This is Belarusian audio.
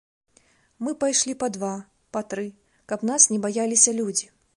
Мы пайшлі па два, па тры, каб нас не баяліся людзі.